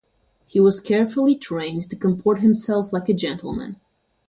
He was carefully trained to comport himself like a gentleman.